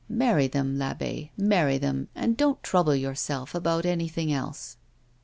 Marry them, I'abbe, marry them, and don't trouble yourself about anything else."